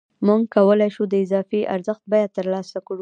موږ کولای شو د اضافي ارزښت بیه ترلاسه کړو